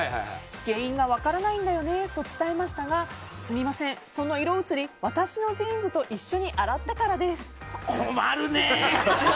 原因が分からないんだよねと伝えたんですがすみません、その色移り私のジーンズと一緒に困るねぇ。